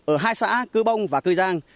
ở hai xã cư bông và cư giang